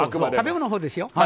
食べ物のほうですよ。